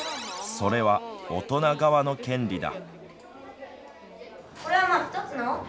それは、大人側の権利だ。